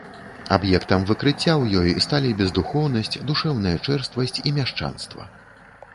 Аб'ектамі выкрыцця ў ёй сталі бездухоўнасць, душэўная чэрствасць і мяшчанства.